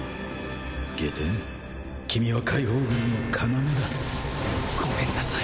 外典君は解放軍の要だごめんなさい。